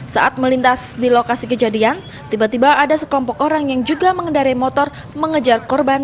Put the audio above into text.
saat melintas di lokasi kejadian tiba tiba ada sekelompok orang yang juga mengendari motor mengejar korban